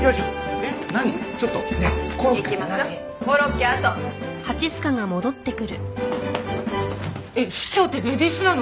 えっ師長ってレディースなの？